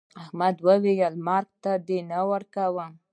احمد وويل: مرگ ته نه ورکوم.